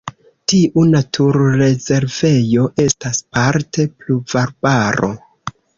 Tiu naturrezervejo estas parte pluvarbaro.